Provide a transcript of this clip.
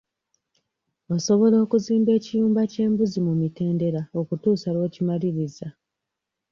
Osobola okuzimba ekiyumba ky'embuzi mu mitendera okutuusa lw'okimaliriza.